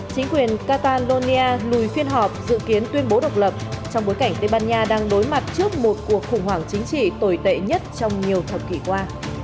chính quyền catalonia lùi phiên họp dự kiến tuyên bố độc lập trong bối cảnh tây ban nha đang đối mặt trước một cuộc khủng hoảng chính trị tồi tệ nhất trong nhiều thập kỷ qua